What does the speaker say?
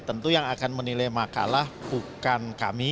tentu yang akan menilai makalah bukan kami